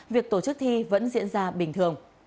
việc tổ chức thi vẫn diễn ra bình thường